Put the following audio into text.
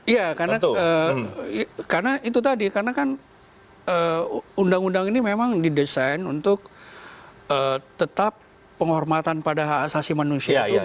iya karena itu tadi karena kan undang undang ini memang didesain untuk tetap penghormatan pada hak asasi manusia itu